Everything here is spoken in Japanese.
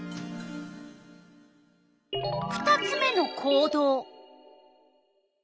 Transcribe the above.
２つ目の行動。